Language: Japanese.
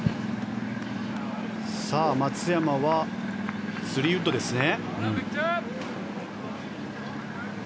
松山は３ウッドですね。